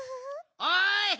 おい！